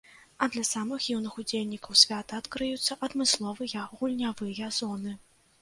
А для самых юных удзельнікаў свята адкрыюцца адмысловыя гульнявыя зоны.